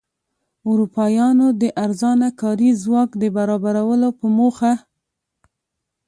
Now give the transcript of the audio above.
اروپایانو د ارزانه کاري ځواک د برابرولو په موخه.